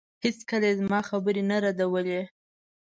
هېڅکله يې زما خبرې نه ردولې.